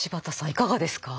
いかがですか？